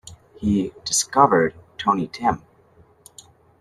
He "discovered" Tiny Tim.